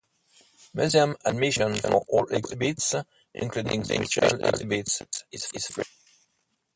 Museum admission for all exhibits, including special exhibits, is free.